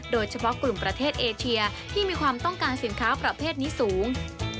โดยเฉพาะกลุ่มประเทศเอเชียที่มีความต้องการสินค้าประเภทนี้สูง